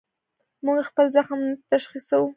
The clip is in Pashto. موږ خپل زخم نه تشخیصوو.